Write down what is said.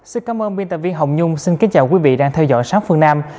xin cảm ơn biên tập viên hồng nhung xin kính chào quý vị đang theo dõi sát phương nam